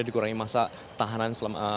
dikurangi masa tahanan selama